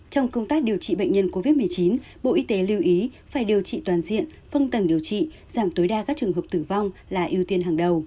trong công tác điều trị bệnh nhân covid một mươi chín bộ y tế lưu ý phải điều trị toàn diện phân tầng điều trị giảm tối đa các trường hợp tử vong là ưu tiên hàng đầu